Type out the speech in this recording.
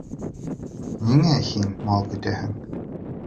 Ниңә һин мал көтәһең?